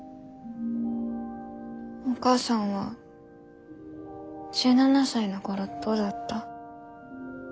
お母さんは１７才の頃どうだった？